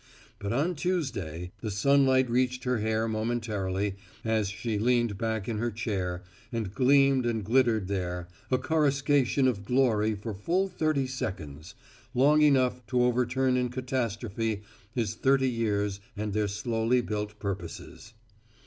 But on Tuesday the sunlight reached her hair momentarily as she leaned back in her chair and gleamed and glittered there, a coruscation of glory for fully thirty seconds long enough to overturn in catastrophe his thirty years and their slowly built purposes.